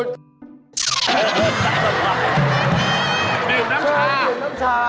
ดื่มน้ำชา